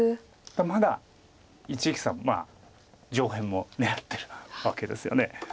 まだ一力さん上辺も狙ってるわけですよね。